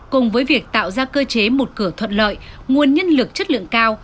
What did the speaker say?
cùng với việc tạo ra cơ chế một cửa thuận lợi nguồn nhân lực chất lượng cao